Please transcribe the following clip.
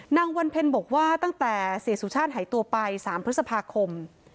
นางวันเพ็ญบอกว่าตั้งแต่เสียสุชาติหายตัวไป๓พฤษภาคม